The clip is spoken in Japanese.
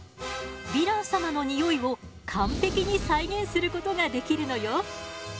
ヴィラン様のニオイを完璧に再現することができるのよ。